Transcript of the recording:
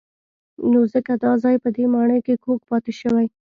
نو ځکه دا ځای په دې ماڼۍ کې کوږ پاتې شوی.